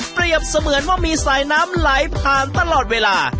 เสมือนว่ามีสายน้ำไหลผ่านตลอดเวลา